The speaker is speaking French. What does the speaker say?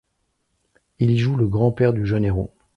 Il y joue le grand-père du jeune héros.